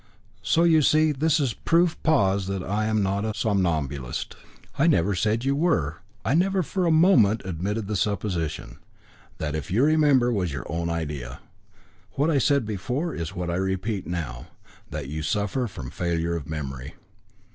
So you see this is proof pos that I am not a somnambulist." "I never said that you were. I never for a moment admitted the supposition. That, if you remember, was your own idea. What I said before is what I repeat now, that you suffer from failure of memory."